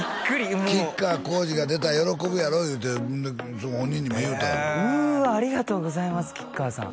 もう吉川晃司が出たら喜ぶやろいうて本人にも言うたようわありがとうございます吉川さん